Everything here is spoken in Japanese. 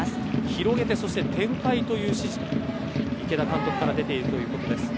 広げて、展開という指示が池田監督から出ているということです。